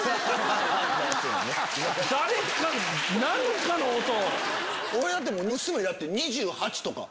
誰かの何かの音！